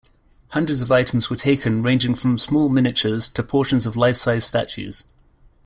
Hundreds of items were taken ranging from small miniatures to portions of life-size statues.